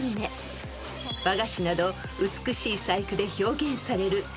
［和菓子など美しい細工で表現される］